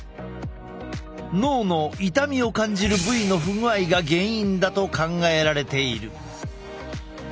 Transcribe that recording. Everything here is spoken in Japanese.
脳の痛みを感じる部位の不具合が原因だと考えられている。